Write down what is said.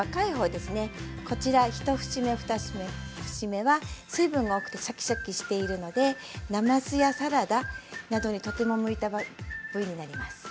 目は水分が多くてシャキシャキしているのでなますやサラダなどにとても向いた部位になります。